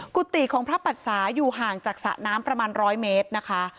กุฏิของพระปรัสสาอยู่ห่างจากสระน้ำประมาณ๑๐๐เมตรนะคะ